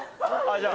じゃあ。